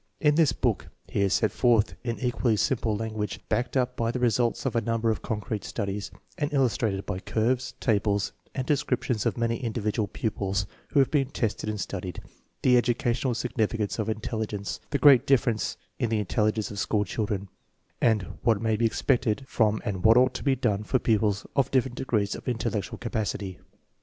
In this book he has set forth in equally simple language, backed up by the results of a number of concrete studies, and illustrated by curves, tables, and descriptions of many individual pupils who have been tested and studied the educational significance of intelligence, the great differences in the intelligence of school children, and what may be expected from and what ought to be done for pupils of different degrees of intellectual capacity.